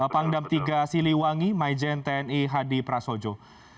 pangdam tiga siliwangi majen tni hadi prasojo